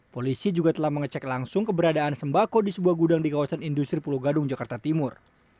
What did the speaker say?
polisi juga telah mengecek langsung keberadaan sembako di sebuah gudang di kawasan industri pulau gadung jakarta timur